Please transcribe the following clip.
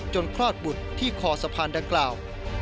คลอดบุตรที่คอสะพานดังกล่าว